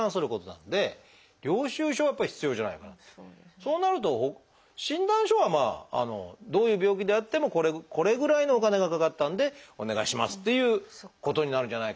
そうなると診断書はまあどういう病気であってもこれぐらいのお金がかかったのでお願いしますっていうことになるんじゃないかという判断ですね。